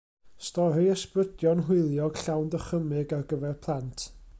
Stori ysbrydion hwyliog, llawn dychymyg ar gyfer plant.